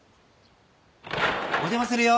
・・お邪魔するよ。